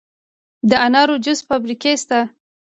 د انارو د جوس فابریکې شته.